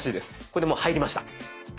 これでもう入りました。